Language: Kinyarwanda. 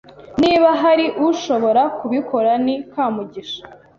Niba hari ushobora kubikora, ni Kamugisha.